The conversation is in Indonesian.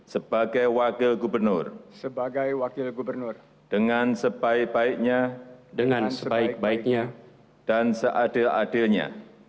sebagai wakil gubernur dengan sebaik baiknya dan seadil adilnya